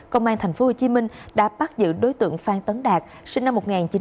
công an tp hcm đã bắt giữ đối tượng phan tấn đạt sinh năm một nghìn chín trăm tám mươi